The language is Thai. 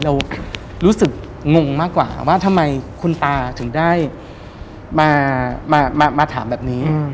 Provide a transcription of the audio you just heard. เรารู้สึกงงมากกว่าว่าทำไมคุณตาถึงได้มาถามแบบนี้